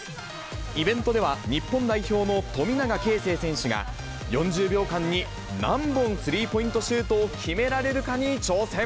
イベントでは日本代表の富永啓生選手が、４０秒間に何本スリーポイントシュートを決められるかに挑戦。